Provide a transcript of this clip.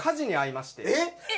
えっ！？